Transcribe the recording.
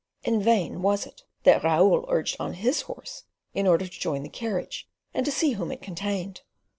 In vain was it that Raoul urged on his horse in order to join the carriage, and to see whom it contained.